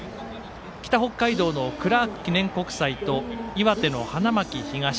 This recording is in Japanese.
北北海道のクラーク記念国際と岩手の花巻東。